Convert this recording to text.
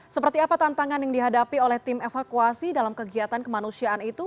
seperti apa tantangan yang dihadapi oleh tim evakuasi dalam kegiatan kemanusiaan itu